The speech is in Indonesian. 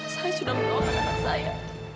saya sudah menawarkan anak saya